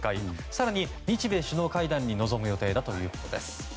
更に日米首脳会談に臨む予定だということです。